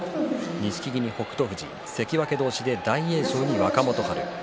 錦木に北勝富士関脇同士大栄翔に若元春です。